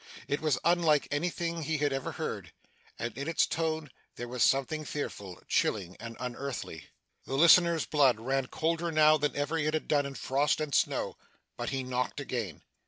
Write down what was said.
It was unlike anything he had ever heard; and in its tone there was something fearful, chilling, and unearthly. The listener's blood ran colder now than ever it had done in frost and snow, but he knocked again.